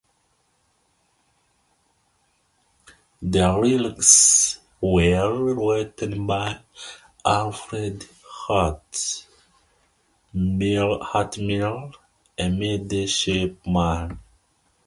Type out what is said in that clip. The lyrics were written by Alfred Hart Miles, a midshipman.